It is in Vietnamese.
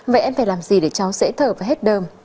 vậy em phải làm gì để cháu dễ thở và hết đơm